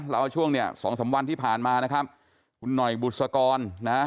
เราเอาช่วงเนี่ยสองสามวันที่ผ่านมานะครับคุณหน่อยบุษกรนะฮะ